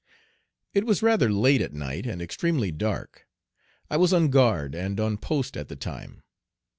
It was rather late at night and extremely dark. I was on guard and on post at the time.